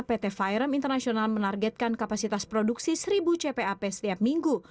pt firem international menargetkan kapasitas produksi seribu cpap setiap minggu